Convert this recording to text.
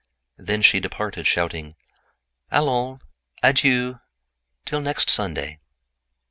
Then she departed, shouting: "Allons, adieu! Till next Sunday!"